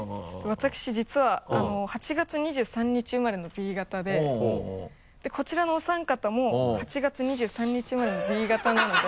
私実は８月２３日生まれのＢ型でこちらのお三方も８月２３日生まれのＢ型なので。